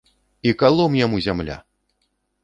І калом яму зямля.